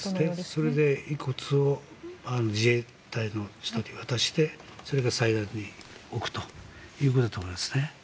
それで遺骨を自衛隊の人に渡してそれで祭壇に置くということだと思います。